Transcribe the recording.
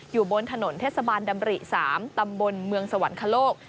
อยู่บนถนนเทศบาลดำริ๓ตำบลเมืองสวรรคโลก